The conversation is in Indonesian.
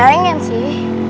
gak ingin sih